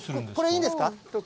これいいんですか？